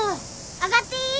上がっていい？